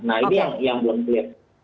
nah ini yang belum clear